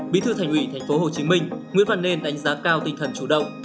bí thư thành ủy tp hcm nguyễn văn nên đánh giá cao tinh thần chủ động